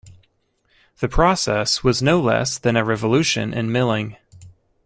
The process was no less than a revolution in milling.